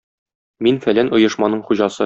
Мин фәлән оешманың хуҗасы.